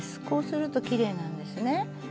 こうするときれいなんですね。